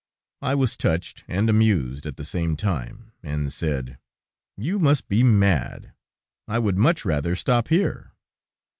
I was touched and amused at the same time, and said: "You must be mad. I would much rather stop here."